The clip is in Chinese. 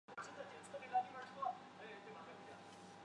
朝天区是中国四川省广元市所辖的一个市辖区。